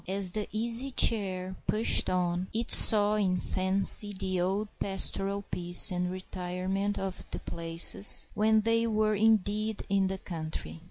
As the Easy Chair pushed on, it saw in fancy the old pastoral peace and retirement of the places when they were indeed in the country.